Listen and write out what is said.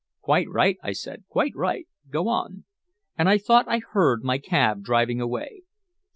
"Quite right," I said. "Quite right. Go on." And I thought I heard my cab driving away.